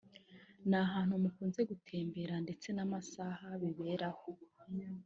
ni ahantu mukunze gutemberera ndetse n’amasaha biberaho